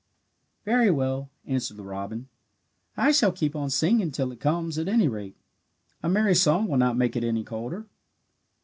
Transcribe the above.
"Very well," answered the robin, "I shall keep on singing till it comes, at any rate. A merry song will not make it any colder."